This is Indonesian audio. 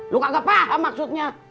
lu kagak paham maksudnya